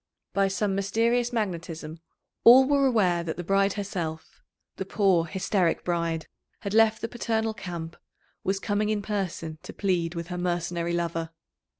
By some mysterious magnetism all were aware that the BRIDE herself the poor hysteric bride had left the paternal camp, was coming in person to plead with her mercenary lover.